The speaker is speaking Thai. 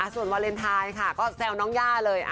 ส่วนวาเลนไทยค่ะก็แซวน้องย่าเลย